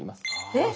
えっ！